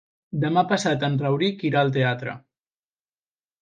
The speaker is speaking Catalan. Demà passat en Rauric irà al teatre.